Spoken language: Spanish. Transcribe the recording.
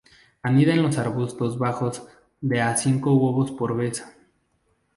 Anida en los arbustos bajos de a cinco huevos por vez.